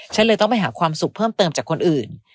ฉันเลยต้องไปหาความสุขเพิ่มเติมจากคนอื่น